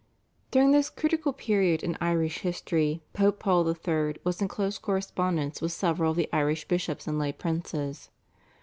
During this critical period in Irish history Pope Paul III. was in close correspondence with several of the Irish bishops and lay princes.